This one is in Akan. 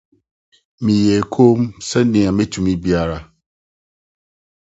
Meyɛɛ komm sɛnea metumi biara.